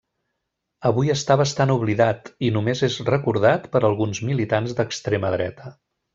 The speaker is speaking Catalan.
Avui està bastant oblidat, i només és recordat per alguns militants d'extrema dreta.